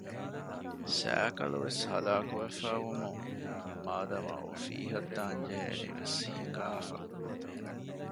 ސައިކަލްވެސް ހަލާކުވެފައި ވުމުން މާދަމާ އޮފީހަށް ދާން ޖެހެނީވެސް ހިނގާފަ